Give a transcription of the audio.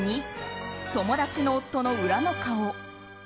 ２友達の夫の裏の顔。